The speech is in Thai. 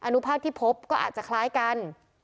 อนุภาพที่พบก็อาจจะคล้ายกัน